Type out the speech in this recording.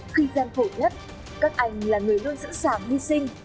khi gian khổ nhất các anh là người luôn sửa sảm hy sinh